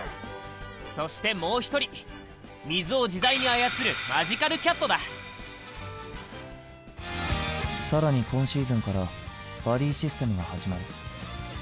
そしてもう一人水を自在に操る更に今シーズンからバディシステムが始まる。